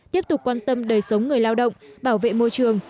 tiếp tục quan tâm đời sống người lao động bảo vệ môi trường